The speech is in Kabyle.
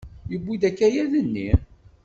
Yewwi-d akayad-nni?